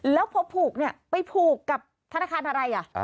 แล้วพอผูกไปผูกกับธนาคารอะไร